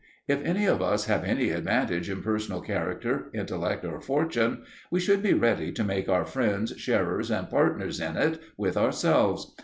If any of us have any advantage in personal character, intellect, or fortune, we should be ready to make our friends sharers and partners in it with ourselves.